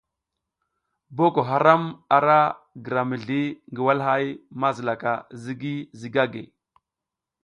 Boko haram ara gira mizli ngi walahay mazilaka ZIGI ZIGAGUE.